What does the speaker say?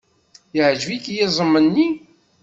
Yeɛjeb-ik yiẓem-nni?